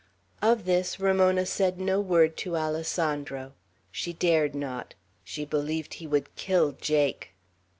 Of this Ramona said no word to Alessandro. She dared not; she believed he would kill Jake.